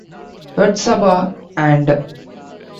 Yotsuba and !